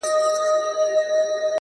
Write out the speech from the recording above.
اوس د چا پر پلونو پل نږدم بېرېږم-